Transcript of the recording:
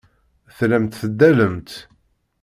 Tellamt teddalemt.